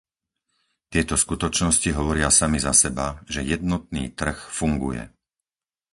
Tieto skutočnosti hovoria samy za seba, že jednotný trh funguje.